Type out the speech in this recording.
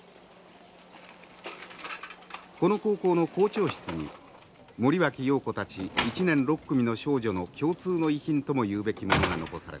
この高校の校長室に森脇瑤子たち１年６組の少女の共通の遺品ともいうべきものが残されています。